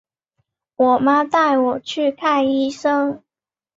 我妈带我去看医生